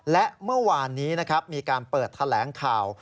และเมื่อวานนี้นะครับมีการเปิดแถลงข่าว